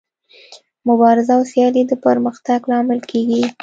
مبارزه او سیالي د پرمختګ لامل کیږي.